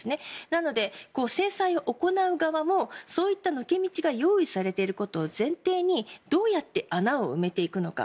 なので、制裁を行う側もそういった抜け道が用意されていることを前提にどうやって穴を埋めていくのか。